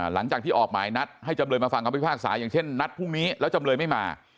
หลังจากที่ออกหมายนัดให้จำเลยมาฟังคำพิพากษาอย่างเช่นนัดพรุ่งนี้แล้วจำเลยไม่มา